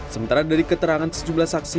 sementara dari keterangan sejumlah saksi